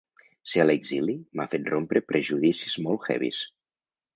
Ser a l’exili m’ha fet rompre prejudicis molt heavies.